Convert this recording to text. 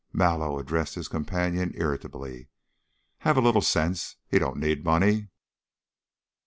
Mallow addressed his companion irritably. "Have a little sense. He don't need money."